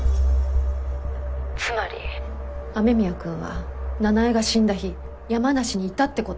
つまり雨宮くんは奈々江が死んだ日山梨にいたって事。